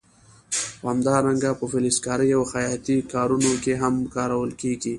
همدارنګه په فلزکارۍ او خیاطۍ کارونو کې هم کارول کېږي.